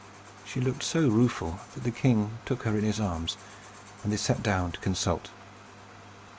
She looked so rueful, that the king took her in his arms; and they sat down to consult.